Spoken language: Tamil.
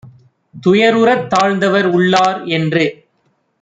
துயருறத் தாழ்ந்தவர் உள்ளார் - என்று